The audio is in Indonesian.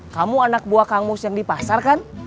kamu anak buah kamus yang di pasar kan